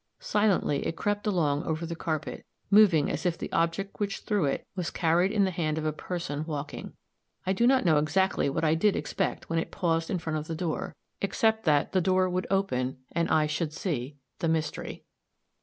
Silently it crept along over the carpet, moving as if the object which threw it was carried in the hand of a person walking. I do not know exactly what I did expect when it paused in front of the door, except that the door would open, and I should see the mystery.